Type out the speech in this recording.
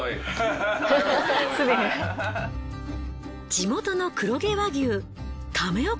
地元の黒毛和牛